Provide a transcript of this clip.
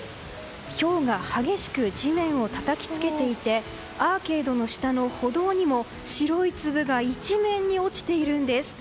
ひょうが激しく地面をたたきつけていてアーケードの下の歩道にも白い粒が一面に落ちているんです。